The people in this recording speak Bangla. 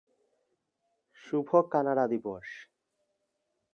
শুভ কানাডা দিবস!